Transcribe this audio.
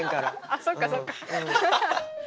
あっそっかそっか。